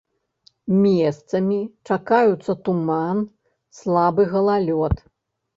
Месцамі чакаюцца туман, слабы галалёд.